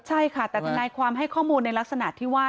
ใช่ค่ะแต่ทนายความให้ข้อมูลในลักษณะที่ว่า